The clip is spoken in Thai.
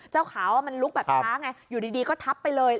เจ้าขาวอ่ะมันลุกแบบท้าไงอยู่ดีดีก็ทับไปเลย